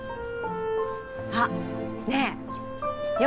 あっねえよ